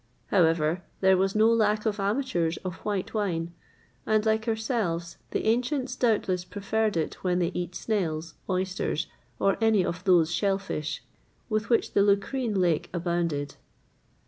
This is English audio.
[XXVIII 112] However, there was no lack of amateurs of white wine, and, like ourselves, the ancients doubtless preferred it when they eat snails, oysters, or any of those shell fish with which the Lucrine lake abounded.